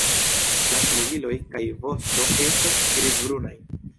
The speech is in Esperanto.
La flugiloj kaj vosto estas grizbrunaj.